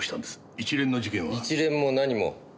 一連も何も。